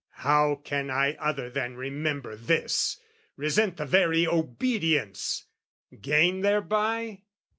How can I other than remember this, Resent the very obedience? Gain thereby?